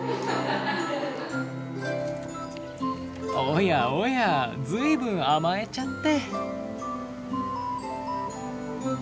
おやおや随分甘えちゃって。